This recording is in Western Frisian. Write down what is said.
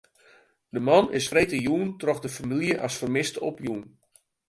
De man is freedtejûn troch de famylje as fermist opjûn.